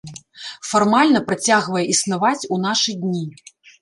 Фармальна працягвае існаваць у нашы дні.